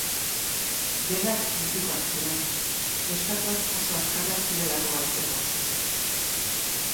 Denak mutikoak ziren, neskatoak oso azkarrak zirelako galtzeko.